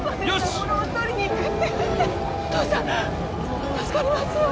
忘れた物を取りに行くって言ってお父さん助かりますよね？